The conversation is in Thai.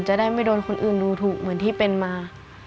จะได้ไม่โดนคนอื่นดูถูกเหมือนที่เป็นมา